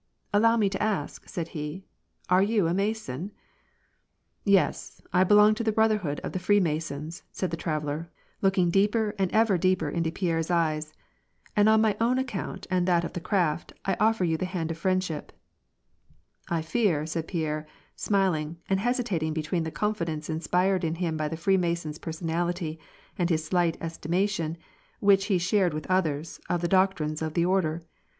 "Allow me to ask," said he, " are you a Mason ?"" YeS; I belong to the Brotherhood of the Freemasons," said the traveller, looking deeper and ever deeper into Pierre's eyes. " And on my own account and that of the craft, I offer you the hand of fellowship." "J fear," said Pierre, smiling, and hesitating between the confidence inspired in him by the Freemason's personality and his slight estimation, which he shared with others, of the doc trines of the order.